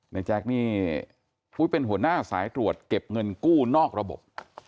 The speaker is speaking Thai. แจ๊คนี่เป็นหัวหน้าสายตรวจเก็บเงินกู้นอกระบบ